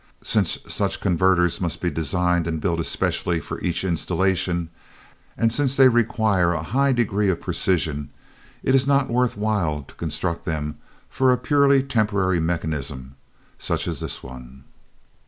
Since such converters must be designed and built especially for each installation, and since they require a high degree of precision, it is not worth while to construct them for a purely temporary mechanism, such as this one."